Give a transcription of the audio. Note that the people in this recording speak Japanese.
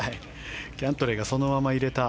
キャントレーがそのまま入れた